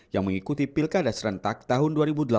yang mengikuti pilkada serentak tahun dua ribu delapan belas